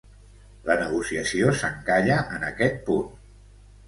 La negociació s’encalla en aquest punt.